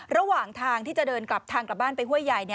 ระหว่างทางที่จะเดินกลับทางกลับบ้านไปห้วยใหญ่